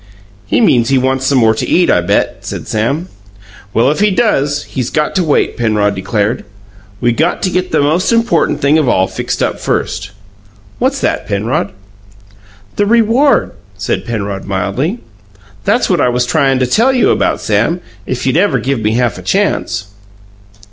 "He means he wants some more to eat, I bet," said Sam. "Well, if he does, he's got to wait," Penrod declared. "We got to get the most important thing of all fixed up first." "What's that, Penrod?" "The reward," said Penrod mildly. "That's what I was tryin' to tell you about, Sam, if you'd ever give me half a chance."